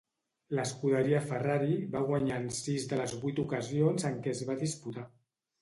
L'escuderia Ferrari va guanyar en sis de les vuit ocasions en què es va disputar.